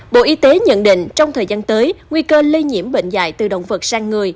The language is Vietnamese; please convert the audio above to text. bộ y tế nhận định trong thời gian tới nguy cơ lây nhiễm bệnh dạy từ động vật sang người